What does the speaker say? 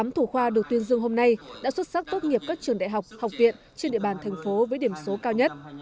tám mươi tám thủ khoa được tuyên dương hôm nay đã xuất sắc tốt nghiệp các trường đại học học viện trên địa bàn tp với điểm số cao nhất